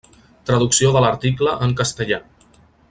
Traducció de l'article en castellà.